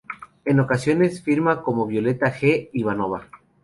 En ocasiones firma como Violeta G. Ivanova.